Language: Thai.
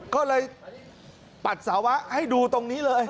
ก็เลยปัดสาวะให้ดูตรงนี้เลย